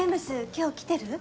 今日来てる？